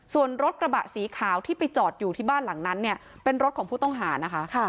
ส่วนรถกระบะสีขาวที่ไปจอดอยู่ที่บ้านหลังนั้นเนี่ยเป็นรถของผู้ต้องหานะคะ